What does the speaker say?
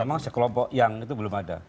memang sekelompok yang itu belum ada